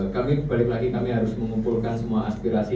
kami balik lagi kami harus mengumpulkan semua aspirasi